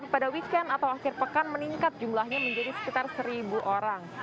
pada weekend atau akhir pekan meningkat jumlahnya menjadi sekitar seribu orang